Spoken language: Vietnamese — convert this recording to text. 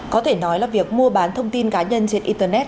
có thể nói là việc mua bán thông tin cá nhân trên internet